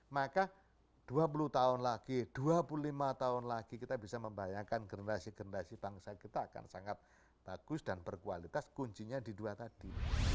maka dua puluh tahun lagi dua puluh lima tahun lagi kita bisa membayangkan generasi generasi bangsa kita akan sangat bagus dan berkualitas kuncinya di dua tadi